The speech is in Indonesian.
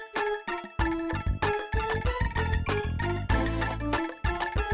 kang dompet imas sama copetnya gak usah dicari